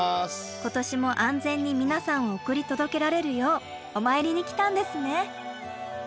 今年も安全に皆さんを送り届けられるようお参りに来たんですね。